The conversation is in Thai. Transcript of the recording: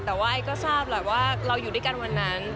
แต่ว่าไอ้ก็ทราบแหละว่าเราอยู่ด้วยกันวันนั้น